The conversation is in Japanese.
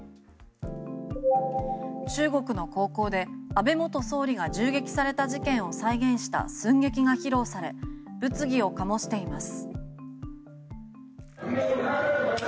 中国の高校で安倍元総理が銃撃された事件を再現した寸劇が披露され物議を醸しています。